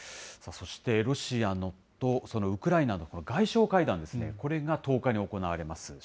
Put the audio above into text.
そしてロシアとウクライナの外相会談ですね、これが１０日に行われます。